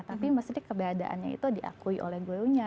tapi keberadaannya itu diakui oleh guru nya